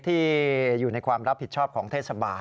ที่อยู่ในความรับผิดชอบของเทศบาล